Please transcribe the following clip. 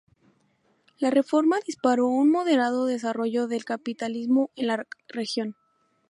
La reforma disparó un moderado desarrollo del Capitalismo en la región.